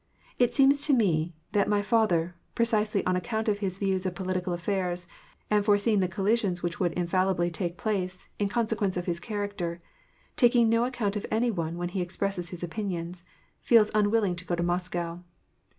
It seems to me that my father, precisely on account of his views of political affairs, and foresee ing the collisions which would infallibly take place, in consequence of his character — taking no account of any one when he expresses his opinions — feels unwilling to go to Moscow.